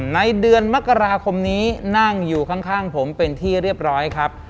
ในเดือนมกราคมนี้นั่งอยู่ข้างผมเป็นที่เรียบร้อยครับ